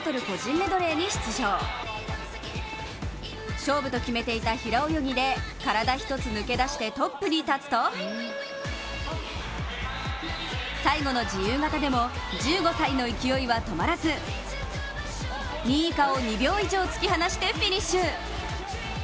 勝負と決めていた平泳ぎで体１つ抜け出してトップに立つと最後の自由形でも１５歳の勢いは止まらず、２位以下を２秒以上突き放してフィニッシュ！